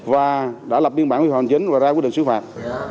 và đã lập biên bản vi phạm chính và ra quy định xử phạt